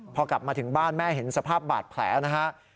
พอกลับมาถึงบ้านแม่เห็นสภาพบาดแผลนะฮะ